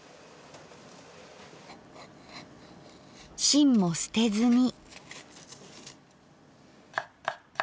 芯も捨てずに。